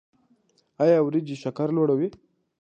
ایا وریجې شکر لوړوي؟